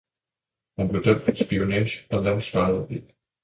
Han blev dømt for spionage og landsforræderi.